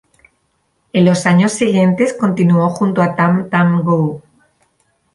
En los años siguientes continuó junto a "Tam Tam Go!